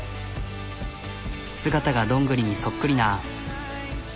姿がどんぐりにそっくりな。